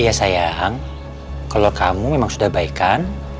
iya sayang kalau kamu memang sudah baikan